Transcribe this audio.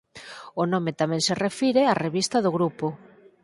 O nome tamén se refire á revista do grupo.